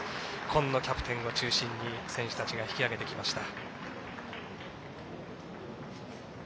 今野キャプテンを中心に選手たちが引き揚げてきました。